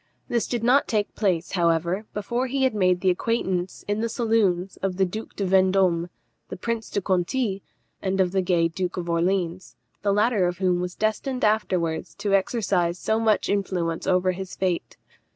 This did not take place, however, before he had made the acquaintance, in the saloons, of the Duke de Vendôme, the Prince de Conti, and of the gay Duke of Orleans, the latter of whom was destined afterwards to exercise so much influence over his fate.